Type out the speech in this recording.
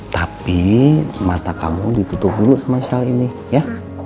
tapi mata kamu ditutup dulu sama hal ini ya